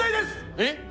えっ？